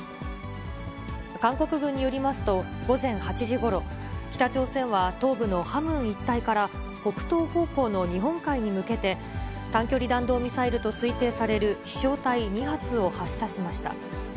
韓国軍によりますと、午前８時ごろ、北朝鮮は東部のハムン一帯から北東方向の日本海に向けて、短距離弾道ミサイルと推定される飛しょう体２発を発射しました。